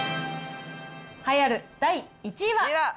栄えある第１位は。